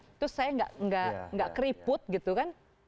itu saya nggak keriput gitu kan